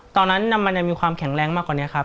ตอนนั้นมันยังมีความแข็งแรงมากกว่านี้ครับ